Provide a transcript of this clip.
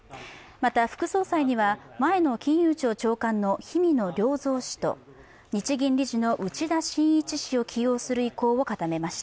また、副総裁には前の金融庁長官の氷見野良三氏と日銀理事の内田眞一氏を起用する意向を固めました。